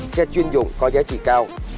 xe chuyên dụng có giá trị cao